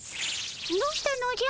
どうしたのじゃ？